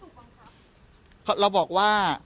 เราบอกว่าถ้าคุณมั่นใจว่าคุณถูกบังคับ